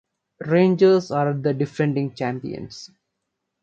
Rangers are the defending champions.